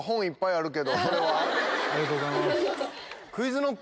ありがとうございます。